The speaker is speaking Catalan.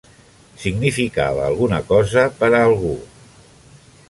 Significava alguna cosa per a algú.